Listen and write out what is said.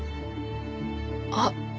あっ。